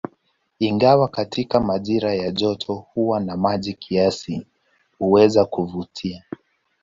Ingawa katika majira ya joto huwa na maji kiasi, huweza kuvutia.